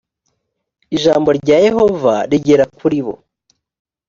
ijambo rya yehova rigera kuri bo